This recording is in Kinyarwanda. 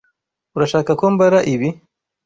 Urashaka ko mbara ibi?